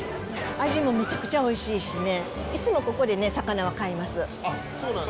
味もめちゃくちゃおいしいしね、いつもここでね、魚は買います。